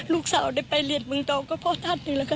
ลูกสาวได้ไปเรียนเมืองตองก็เพราะท่านนี่แหละค่ะ